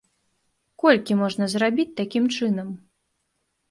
Колькі можна зарабіць такім чынам?